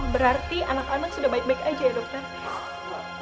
berarti anak anak sudah baik baik aja ya dokter